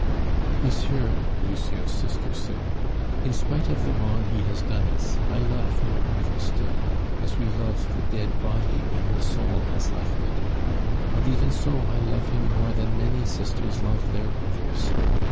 "Monsieur," Lucien's sister said, "in spite of the wrong he has done us, I love my brother still, as we love the dead body when the soul has left it; and even so, I love him more than many sisters love their brothers.